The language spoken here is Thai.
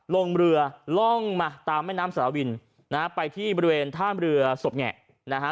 ลงเรือล่องมาตามแม่น้ำสารวินนะฮะไปที่บริเวณท่ามเรือศพแงะนะฮะ